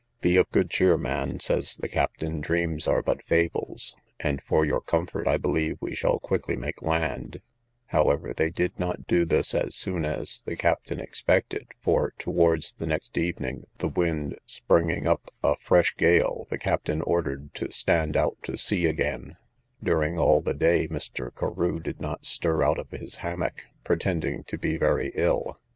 Be of good cheer, man, says the captain, dreams are but fables; and, for your comfort, I believe we shall quickly make land: however, they did not do this as soon as the captain expected; for, towards the next evening, the wind springing up a fresh gale, the captain ordered to stand out to sea again: during all the day, Mr. Carew did not stir out of his hammock, pretending to be very ill.